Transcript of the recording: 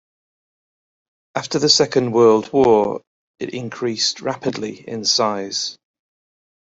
After the Second World War, it increased rapidly in size.